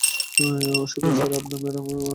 Ashok sir আর আপনি আমার পরিবার, ম্যাডাম।